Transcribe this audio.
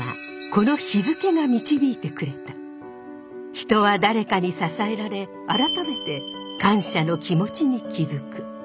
人は誰かに支えられ改めて感謝の気持ちに気付く。